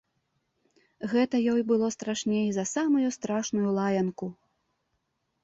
Гэта ёй было страшней за самую страшную лаянку.